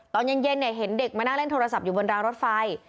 ตอนเย็นเห็นเด็กมานั่งเล่นโทรศัพท์อยู่บนรางรถไฟ